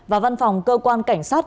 và văn phòng cơ quan cảnh sát